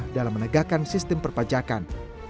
dalam menegakkan sistem perpajakan